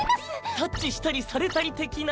タッチしたりされたり的な？